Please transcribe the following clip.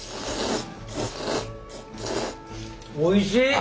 おいしい！